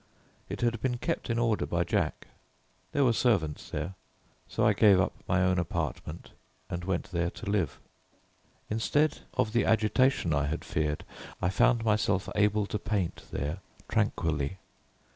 It had been kept in order by Jack; there were servants there, so I gave up my own apartment and went there to live. Instead of the agitation I had feared, I found myself able to paint there tranquilly.